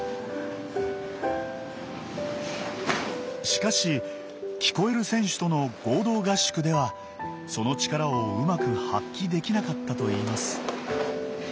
しかし聞こえる選手との合同合宿ではその力をうまく発揮できなかったといいます。